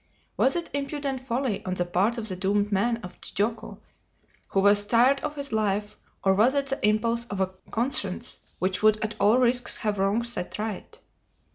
Was it impudent folly on the part of the doomed man of Tijuco, who was tired of his life, or was it the impulse of a conscience which would at all risks have wrong set right?